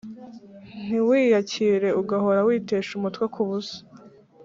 ntiwiyakire, ugahora witesha umutwe ku busa